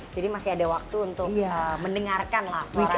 jadi masih ada waktu untuk mendengarkanlah suara anak anak